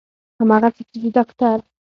همغسې چې د داکتر